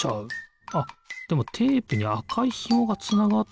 あっでもテープにあかいひもがつながってるからえっ？